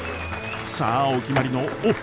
さあお決まりのおっ！